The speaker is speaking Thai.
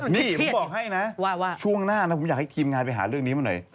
นี่ผมบอกให้นะว่าช่วงหน้านะผมอยากให้ทีมงานไปหาเรื่องนี้มาหน่อย